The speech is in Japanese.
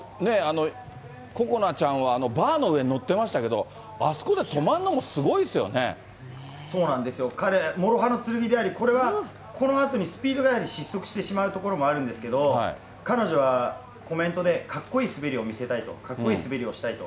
心那ちゃんはバーの上に乗ってましたけど、あそこで止まんのそうなんですよ、もろ刃の剣であり、これはスピードがやはり失速してしまうところもあるんですけど、彼女はコメントでかっこいい滑りを見せたいと、かっこいい滑りをしたいと。